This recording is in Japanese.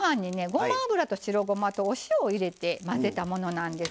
ごま油と白ごまとお塩を入れて混ぜたものなんです。